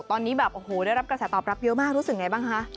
ตอนนี้ได้รับกระแสตอบเยอะมากรู้สึกไงบ้างคะ